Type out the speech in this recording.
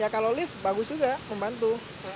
ya kalau lift bagus juga membantu